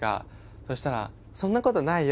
そしたら「そんなことないよ。